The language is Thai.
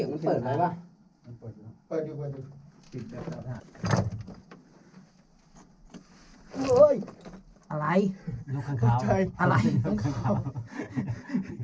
น้องข้างขาว